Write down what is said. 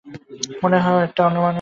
মনে হয় ও একটা অন্য ধরণের মানুষ!